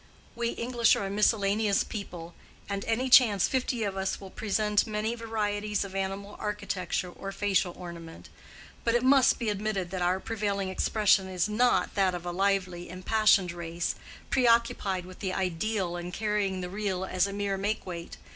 We English are a miscellaneous people, and any chance fifty of us will present many varieties of animal architecture or facial ornament; but it must be admitted that our prevailing expression is not that of a lively, impassioned race, preoccupied with the ideal and carrying the real as a mere make weight.